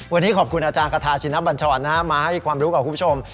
วันนี้ขอบคุณอาจารย์คาทาชินบัญชรมาให้ความรู้กับคุณผู้ชม